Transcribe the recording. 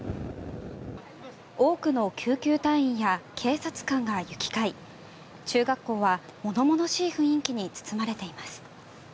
多くの救急隊員や警察官が行き交い中学校は物々しい雰囲気に包まれています。